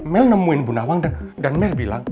mel nemuin bunda awang dan mel bilang